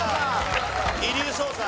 『遺留捜査』。